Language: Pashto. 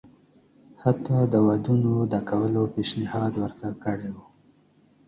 حتی د ودونو د کولو پېشنهاد ورته کړی وو.